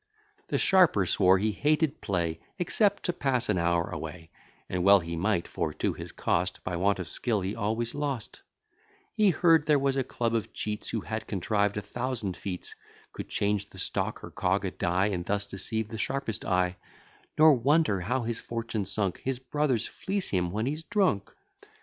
The Sharper swore he hated play, Except to pass an hour away: And well he might; for, to his cost, By want of skill, he always lost; He heard there was a club of cheats, Who had contrived a thousand feats; Could change the stock, or cog a die, And thus deceive the sharpest eye: Nor wonder how his fortune sunk, His brothers fleece him when he's drunk.